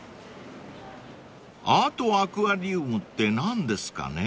［アートアクアリウムって何ですかね？］